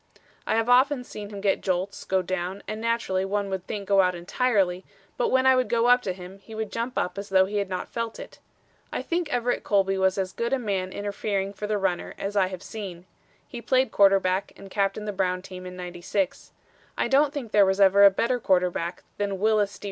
I have often seen him get jolts, go down, and naturally one would think go out entirely, but when I would go up to him, he would jump up as though he had not felt it. I think Everett Colby was as good a man interfering for the runner as I have seen. He played quarterback and captained the Brown team in '96. I don't think there was ever a better quarterback than Wyllys D.